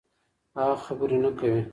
هغه خبرې نه کوي.